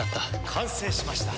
完成しました。